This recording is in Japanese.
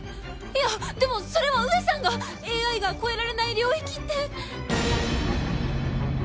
いやでもそれは上さんが「ＡＩが超えられない領域」って。